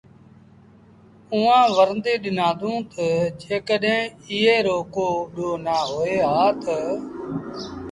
اُئآݩٚ ورنديٚ ڏنآندونٚ تا، ”جيڪڏهينٚ ايٚئي رو ڪو ڏوه نآ هوئي هآ تا